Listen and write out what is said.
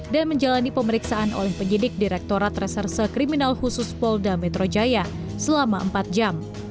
dan menjalani pemeriksaan oleh penyidik direktorat reserse kriminal khusus polda metro jaya selama empat jam